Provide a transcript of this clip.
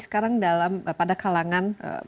sekarang dalam pada kalangan